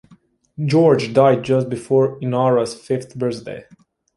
George died just before Inara's fifth birthday.